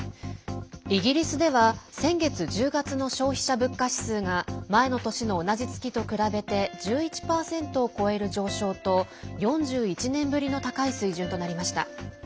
イギリスでは先月１０月の消費者物価指数が前の年の同じ月と比べて１１％を超える上昇と４１年ぶりの高い水準となりました。